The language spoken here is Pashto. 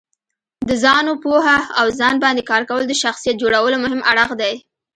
د ځانو پوهه او ځان باندې کار کول د شخصیت جوړولو مهم اړخ دی.